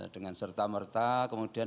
dengan serta merta kemudian